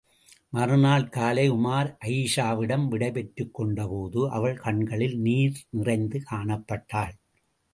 மறுநாள் காலை உமார் அயீஷாவிடம் விடை பெற்றுக் கொண்டபோது அவள் கண்களில் நீர் நிறைந்து காணப்பட்டாள்.